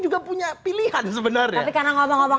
juga punya pilihan sebenarnya